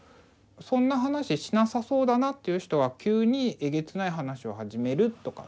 そんな話しなさそうだなっていう人が急にえげつない話を始めるとか。